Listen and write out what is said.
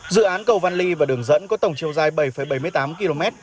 dự án cầu văn ly và đường dẫn có tổng chiều dài bảy bảy mươi tám km